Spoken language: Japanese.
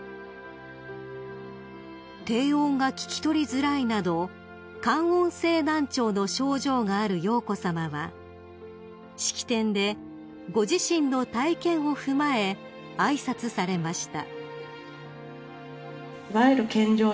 ［低音が聞き取りづらいなど感音性難聴の症状がある瑶子さまは式典でご自身の体験を踏まえ挨拶されました］